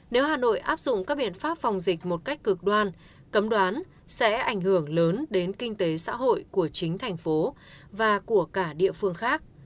nếu hà nội áp dụng các biện pháp phòng dịch một cách cực đoan cấm đoán sẽ ảnh hưởng lớn đến kinh tế xã hội của chính thành phố và của cả địa phương khác